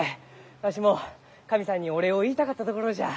わしも神さんにお礼を言いたかったところじゃ。